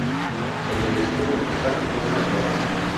Sobre el escudo está la corona real.